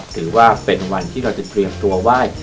ถือว่าเป็นวันที่เราจะเตรียมตัวไหว้